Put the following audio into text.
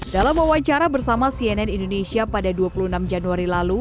dalam wawancara bersama cnn indonesia pada dua puluh enam januari lalu